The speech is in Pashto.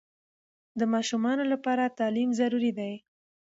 د ماشومانو لپاره تعلیم ضروري ده